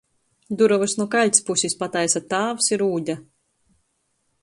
Durovys nu kaļts pusis pataisa tāvs i Rūde.